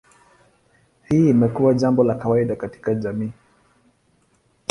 Hii imekuwa jambo la kawaida katika jamii.